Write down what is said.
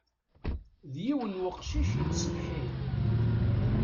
D yiwen n uqcic yettsetḥin.